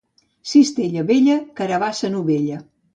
Cistella vella, carabassa novella.